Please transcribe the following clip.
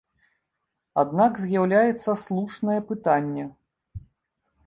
Аднак, з'яўляецца слушнае пытанне.